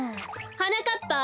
はなかっぱ。